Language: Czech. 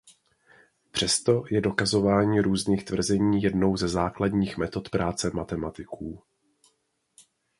Přesto je dokazování různých tvrzení jednou ze základních metod práce matematiků.